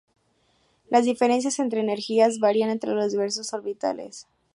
Las diferencias entre energías varían entre los diversos orbitales.